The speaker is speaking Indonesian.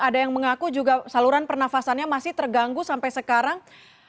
ada yang mengaku juga saluran pernafasannya masih terganggu sampai sekarang